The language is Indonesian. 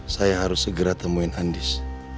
saya harus segera temuin andis